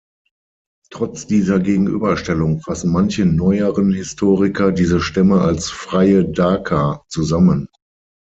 Trotz dieser Gegenüberstellung fassen manche neueren Historiker diese Stämme als "freie Daker" zusammen.